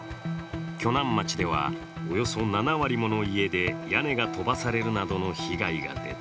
鋸南町ではおよそ７割もの家で屋根が飛ばされるなどの被害が出た。